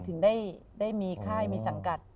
ถึงได้มีค่ายมีสังกัด